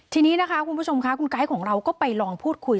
ทีนี้นะคะคุณผู้ชมค่ะคุณไกด์ของเราก็ไปลองพูดคุย